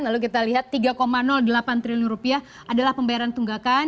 lalu kita lihat tiga delapan triliun rupiah adalah pembayaran tunggakan